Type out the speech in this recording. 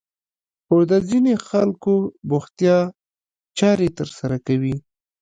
خو د ځينې خلکو بوختيا چارې ترسره کوي.